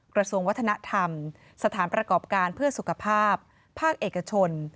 กระทรวงวัฒนธรรมสถานประกอบการเพื่อสุขภาพภาคเอกชน